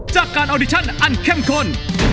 จากการออดิชั่นอันเข้มข้น